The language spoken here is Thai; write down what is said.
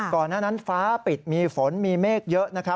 ก่อนหน้านั้นฟ้าปิดมีฝนมีเมฆเยอะ